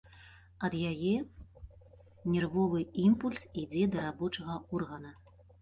Ад яе нервовы імпульс ідзе да рабочага органа.